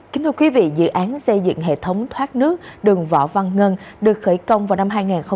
kính thưa quý vị dự án xây dựng hệ thống thoát nước đường võ văn ngân được khởi công vào năm hai nghìn một mươi